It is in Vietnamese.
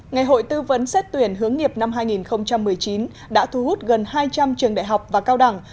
ngày hội tư vấn xét tuyển hướng nghiệp năm hai nghìn một mươi chín đã thu hút gần hai trăm linh trường đại học và cao đẳng